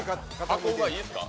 箱馬いいですか？